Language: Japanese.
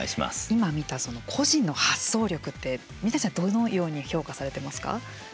今見た個人の発想力って三谷さん、どのように評価されてますか。